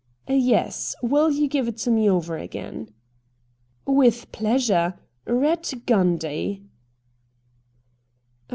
' Yes — will you give it to me over again ?'' With pleasure — Eatt Gundy.'